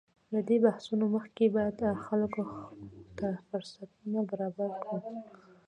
له دې بحثونو مخکې باید خپلو خلکو ته فرصتونه برابر کړو.